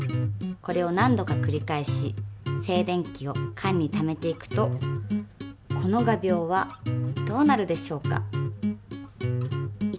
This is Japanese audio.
これを何度か繰り返し静電気を缶にためていくとこの画びょうはどうなるでしょうか？